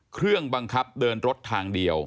เครื่องบังคับเดินรถทางเดียว